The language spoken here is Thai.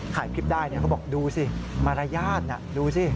ถ่ายคลิปได้นะครับก็บอกดูสิมารยาทอะดูสิ